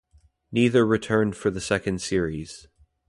Neither returned for the second series.